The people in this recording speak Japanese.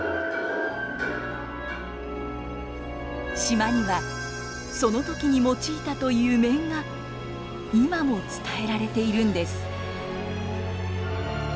島にはその時に用いたという面が今も伝えられているんです。